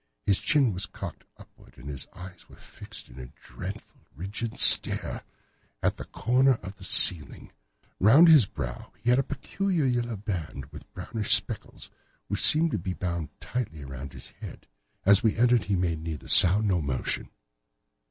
His chin was cocked upward and his eyes were fixed in a dreadful, rigid stare at the corner of the ceiling. Round his brow he had a peculiar yellow band, with brownish speckles, which seemed to be bound tightly round his head. As we entered he made neither sound nor motion.